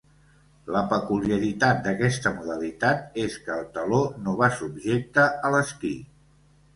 La peculiaritat d'aquesta modalitat és que el taló no va subjecte a l'esquí.